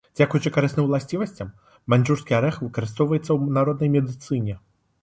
Дзякуючы карысным уласцівасцям, маньчжурскі арэх выкарыстоўваецца ў народнай медыцыне.